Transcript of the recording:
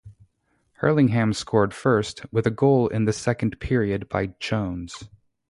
Hurlingham scored first, with a goal in the second period by Jones.